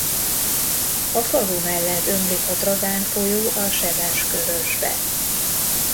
A falu mellett ömlik a Dragán folyó a Sebes-Körösbe.